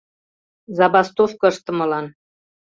Забастовко ыштымылан.